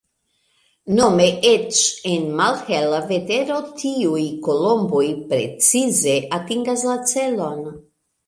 Nome eĉ en malhela vetero tiuj kolomboj precize atingas la celon.